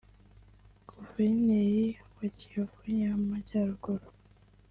Guverineri wa Kivu y’amajyaruguru